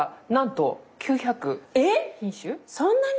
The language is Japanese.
そんなに？